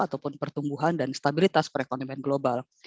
ataupun pertumbuhan dan stabilitas perekonomian global